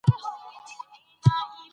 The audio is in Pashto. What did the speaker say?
خلګو په ځمکه د فیل خاپونه ولیدل.